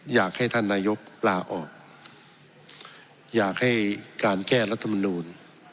อยากให้ท่านนายกลาออกอยากให้การแก้รัฐมนูล